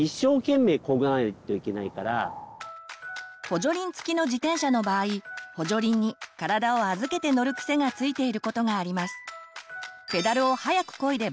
補助輪付きの自転車の場合補助輪に体を預けて乗る癖がついていることがあります。